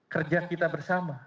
kerja kita bersama